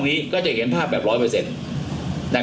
ตัวนี้มันจะมีหลักฐานตัวนี้มันมันจะมา